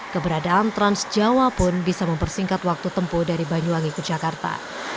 keberadaan transjawa pun bisa mempersingkat waktu tempuh dari banyuwangi ke jakarta